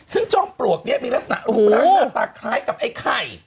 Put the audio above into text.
ซึ่งจ้องปลวกนี้มีลักษณะรูปร่างหน้าตาคล้ายกับไอ้ไข่